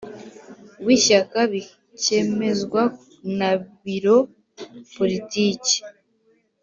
w Ishyaka bikemezwa na Biro Politiki